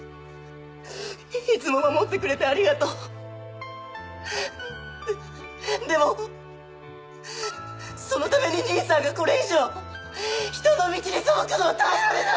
いつも守ってくれてありがとうででもそのために兄さんがこれ以上人の道に背くのは耐えられない！